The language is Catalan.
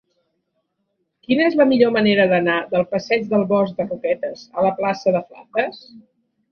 Quina és la millor manera d'anar del passeig del Bosc de Roquetes a la plaça de Flandes?